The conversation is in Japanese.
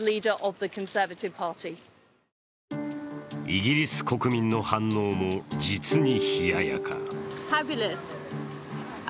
イギリス国民の反応も実に冷ややか。